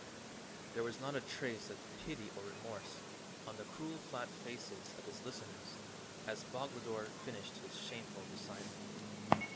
There was not a trace of pity or remorse on the cruel flat faces of his listeners as Boglodore finished this shameful recital.